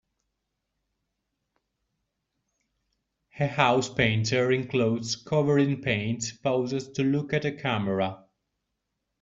A house painter in clothes covered in paint pauses to look at the camera.